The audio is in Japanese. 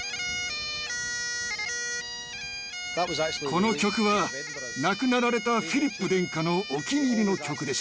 この曲は亡くなられたフィリップ殿下のお気に入りの曲でした。